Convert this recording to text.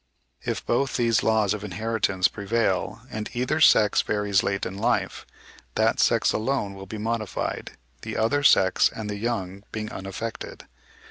If both these laws of inheritance prevail and either sex varies late in life, that sex alone will be modified, the other sex and the young being unaffected.